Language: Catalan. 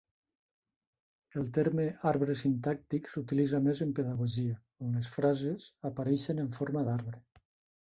El terme "arbre sintàctic" s'utilitza més en pedagogia, on les frases apareixen "en forma d'arbre".